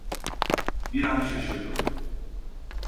Bir an şaşırdı.